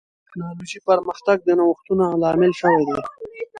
د ټکنالوجۍ پرمختګ د نوښتونو لامل شوی دی.